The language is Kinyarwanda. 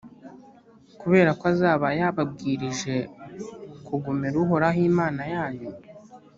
kubera ko azaba yababwirije kugomera uhoraho imana yanyu,